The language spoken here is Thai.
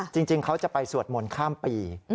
จริงเขาจะไปสวดมนต์ข้ามปี